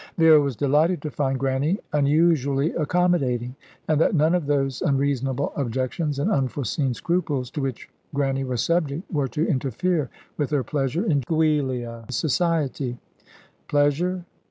Vera was delighted to find Grannie unusually accommodating, and that none of those unreasonable objections and unforeseen scruples to which Grannie was subject were to interfere with her pleasure in Giulia's society. Pleasure?